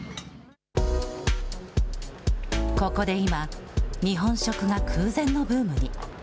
ここで今、日本食が空前のブームに。